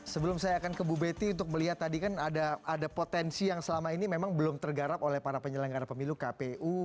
sebelum saya akan ke bu betty untuk melihat tadi kan ada potensi yang selama ini memang belum tergarap oleh para penyelenggara pemilu kpu